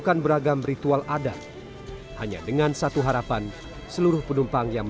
kami berharap tuhan akan memberi kekuatannya